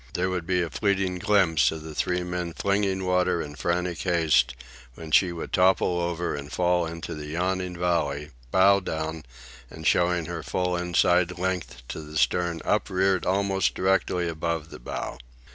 There would be a fleeting glimpse of the three men flinging water in frantic haste, when she would topple over and fall into the yawning valley, bow down and showing her full inside length to the stern upreared almost directly above the bow.